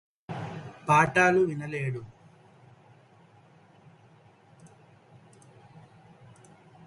పాఠాలు వినలేడు